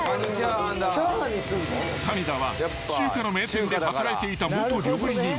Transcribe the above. ［谷田は中華の名店で働いていた元料理人］